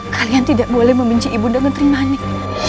kalian tidak boleh membenci ibu nda gentri manik